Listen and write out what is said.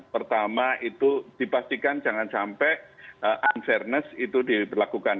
pertama itu dipastikan jangan sampai unfairness itu diberlakukan